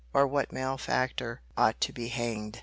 or what malefactor ought to be hanged?